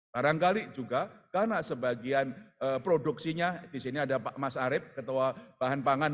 barangkali juga karena sebagian produksinya di sini ada pak mas arief ketua bahan pangan